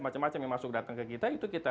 macam macam yang masuk datang ke kita itu kita